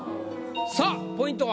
さあポイントは？